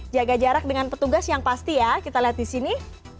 jaga jarak dengan petugas yang pasti ya kita lihat di sini